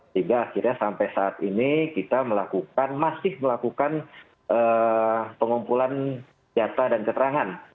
sehingga akhirnya sampai saat ini kita melakukan masih melakukan pengumpulan data dan keterangan